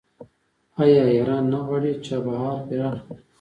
آیا ایران نه غواړي چابهار پراخ کړي؟